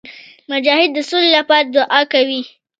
مجاهد د سولي لپاره دعا کوي.